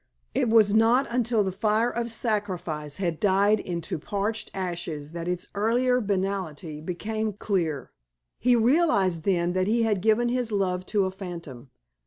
It was not until the fire of sacrifice had died into parched ashes that its earlier banality became clear. He realized then that he had given his love to a phantom.